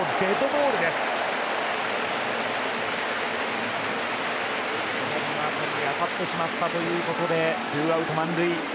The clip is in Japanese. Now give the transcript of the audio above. ボールに当たってしまったということでツーアウト満塁。